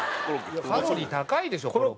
カロリー高いでしょコロッケ。